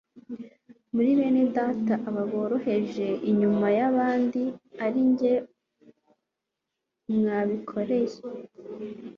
muri bene data aba boroheje inyuma y'abandi ari jye mwabikoreye."